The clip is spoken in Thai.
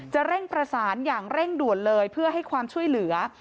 เร่งประสานอย่างเร่งด่วนเลยเพื่อให้ความช่วยเหลือ